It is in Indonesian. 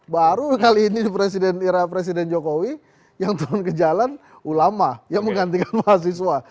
baru kali ini presiden era presiden jokowi yang turun ke jalan ulama yang menggantikan mahasiswa